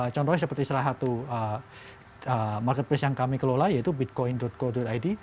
contohnya seperti salah satu marketplace yang kami kelola yaitu bitcoin co id